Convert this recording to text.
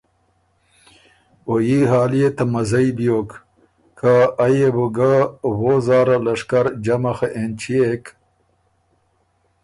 او يي حال يې ته مزئ بیوک که ائ يې بو ګۀ وو زاره لشکر جمع خه اېنچيېک